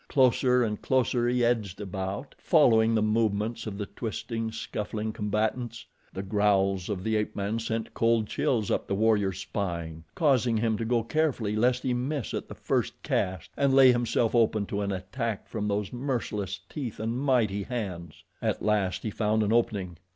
Closer and closer he edged about, following the movements of the twisting, scuffling combatants. The growls of the ape man sent cold chills up the warrior's spine, causing him to go carefully lest he miss at the first cast and lay himself open to an attack from those merciless teeth and mighty hands. At last he found an opening.